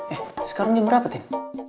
eh sekarang jam berapa tim